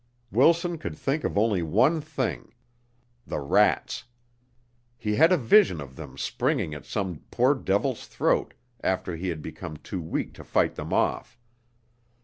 Wilson could think of only one thing, the rats. He had a vision of them springing at some poor devil's throat after he had become too weak to fight them off.